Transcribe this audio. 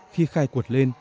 khi khai quật lên